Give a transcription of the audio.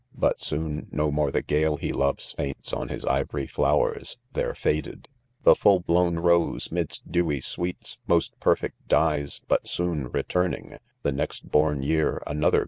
But, soon, no more the gale he loves Faints on his ivory flowers 5 they're feded The .full blown rose, mid^P dewy sweets 5 Most perfect dies 5 but, soon returning,, The^next born, year; another.